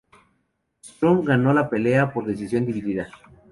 Sturm ganó la pelea por decisión dividida.